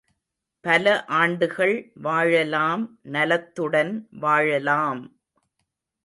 பல ஆண்டுகள் வாழலாம் நலத்துடன் வாழலாம்!